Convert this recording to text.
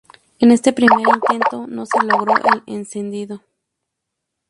En este primer intento no se logró el encendido.